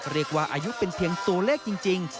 เรียกว่าอายุเป็นเพียงตัวเลขจริง